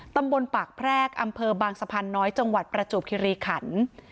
ตำบลปากแพรกอำเภอบางสะพานน้อยจังหวัดประจวบคิริขัน